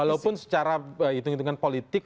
walaupun secara hitung hitungan politik